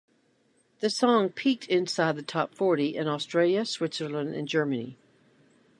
The song peaked inside the top forty in Australia, Switzerland and Germany.